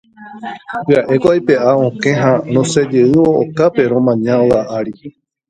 Pya'éko aipe'a okẽ ha rosẽjeývo okápe romaña óga ári.